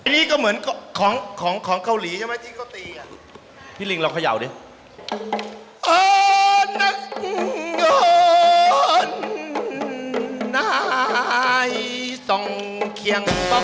อันนี้ก็เหมือนของเขาหลี